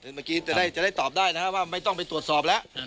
เมื่อกี้จะได้ตอบได้นะครับว่าไม่ต้องไปตรวจสอบแล้ว